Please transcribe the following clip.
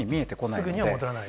すぐには戻らない？